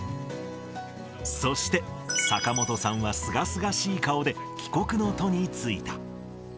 そして坂本さんはすがすがしい顔で帰国の途に就いた。